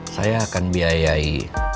saya akan biayai